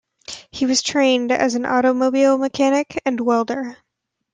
He was trained as an automobile mechanic and welder.